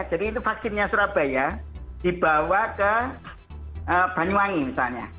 jadi itu vaksinnya surabaya dibawa ke banyuwangi misalnya